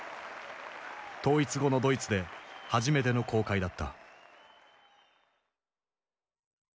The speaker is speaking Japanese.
統一後のドイツで初めての公開だった。